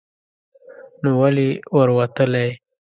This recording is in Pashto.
نو ولې ور وتلی ؟